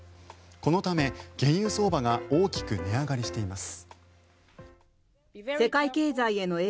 このため原油相場が大きく値上がりしています。